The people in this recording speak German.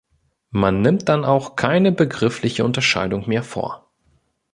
Man nimmt dann auch keine begriffliche Unterscheidung mehr vor.